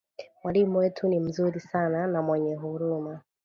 mwalimu wetu ni mzuri sana na mwenye huruma